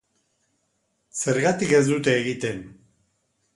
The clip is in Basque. Zergatik ez dute egiten?